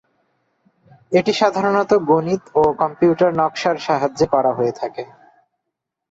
এটি সাধারণত গণিত ও কম্পিউটার নকশার সাহায্যে করা হয়ে থাকে।